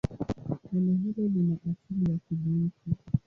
Neno hilo lina asili ya Kibantu.